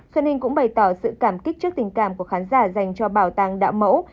xuân ninh cũng bày tỏ sự cảm kích trước tình cảm của khán giả dành cho bảo tàng đạo mẫu